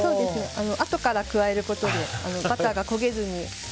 あとから加えることでバターが焦げずに。